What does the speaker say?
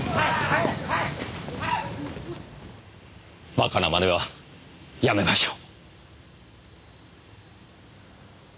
バカなまねはやめましょう。